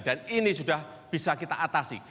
dan ini sudah bisa kita atasi